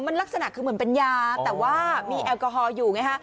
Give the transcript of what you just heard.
มันลักษณะคือเหมือนเป็นยาแต่ว่ามีแอลกอฮอลอยู่ไงฮะ